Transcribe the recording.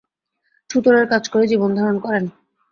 ছুতোরের কাজ করে জীবনধারণ করেন।